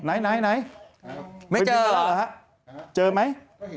ไม่เจอหรอครับเจอไหม